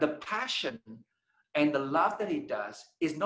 tapi pasiennya dan cinta yang dia lakukan